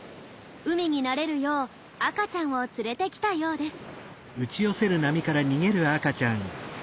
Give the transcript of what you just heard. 海に慣れるよう赤ちゃんを連れてきたようです。